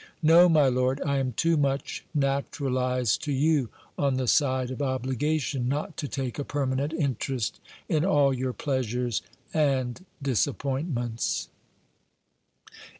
No, my lord, I am too much naturalized to you on the side of obligation, not to take a permanent interest in all your pleasures and disappointments.